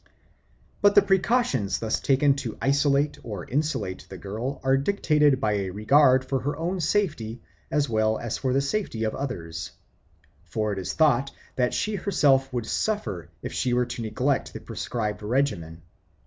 But the precautions thus taken to isolate or insulate the girl are dictated by a regard for her own safety as well as for the safety of others. For it is thought that she herself would suffer if she were to neglect the prescribed regimen.